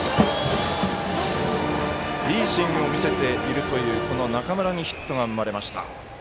いいスイングを見せているという中村にヒットが生まれました。